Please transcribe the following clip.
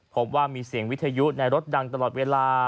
พบว่ามีเสียงวิทยุในรถดังตลอดเวลา